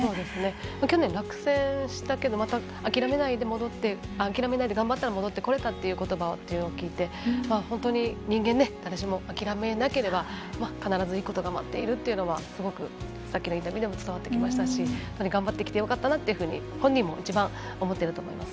去年、落選したけどまた諦めないで頑張ったら戻ってこれたということばを聞いて本当に、人間諦めなければ必ずいいことが待っているというのはすごくさっきのインタビューでも伝わってきましたし頑張ってきてよかったなと本人も一番思っていると思います。